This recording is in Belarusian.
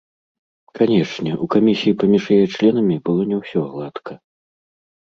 Канешне, у камісіі паміж яе членамі было не ўсё гладка.